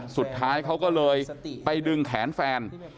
สุดท้ายเขาก็เลยไปดึงแขนแฟน